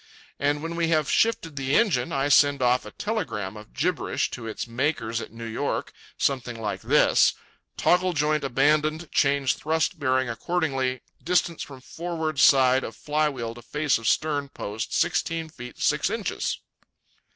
And when we have shifted the engine, I send off a telegram of gibberish to its makers at New York, something like this: _Toggle joint abandoned change thrust bearing accordingly distance from forward side of flywheel to face of stern post sixteen feet six inches_.